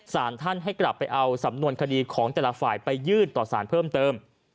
สารท่านให้กลับไปเอาสำนวนคดีของแต่ละฝ่ายไปยื่นต่อสารเพิ่มเติม